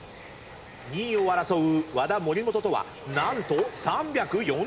２位を争う和田森本とは何と３４０ｍ差。